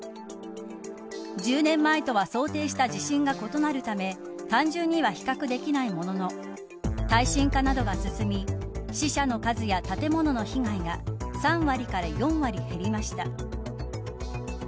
１０年前とは想定した地震が異なるため単純には比較できないものの耐震化などが進み死者の数や建物の被害が３割から４割減りました。